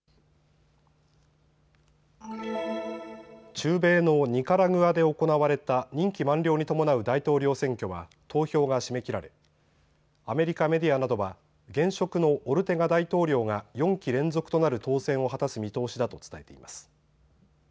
中米のニカラグアで行われた任期満了に伴う大統領選挙は投票が締め切られ、アメリカメディアなどは現職のオルテガ大統領が４期連続となる当選を果たす見通しだと伝えています。